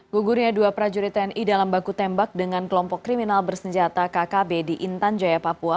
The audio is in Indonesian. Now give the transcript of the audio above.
gugurnya dua prajurit tni dalam baku tembak dengan kelompok kriminal bersenjata kkb di intan jaya papua